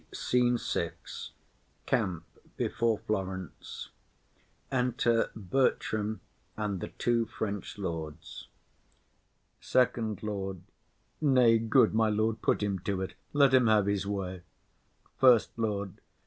_] SCENE VI. Camp before Florence. Enter Bertram and the two French Lords. FIRST LORD. Nay, good my lord, put him to't; let him have his way. SECOND LORD.